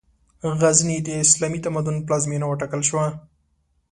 غزنی، د اسلامي تمدن پلازمېنه وټاکل شوه.